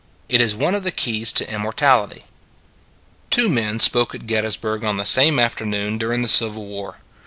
It is one of the keys to immortality. Two men spoke at Gettysburg on the same afternoon during the Civil War.